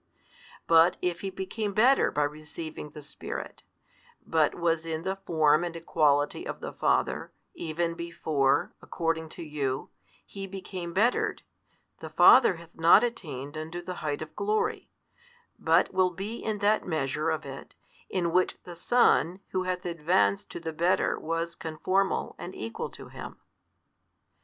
But if He became better by receiving the Spirit, but was in the Form and Equality of the Father, even before, according to you, He became bettered, the Father hath not attained unto the height of glory, but will be in that measure of it, in which the Son Who hath advanced to the better was Con formal and Equal to Him.